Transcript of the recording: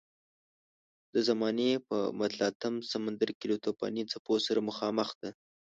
د زمانې په متلاطم سمندر کې له توپاني څپو سره مخامخ ده.